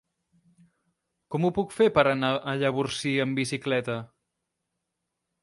Com ho puc fer per anar a Llavorsí amb bicicleta?